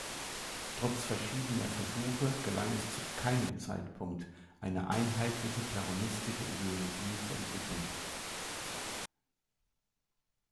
Trotz verschiedener Versuche gelang es zu keinen Zeitpunkt eine einheitliche peronistische Ideologie zu entwickeln.